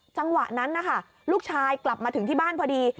จังหวะนั้นนะคะลูกชายกลับมาถึงที่บ้านพอดี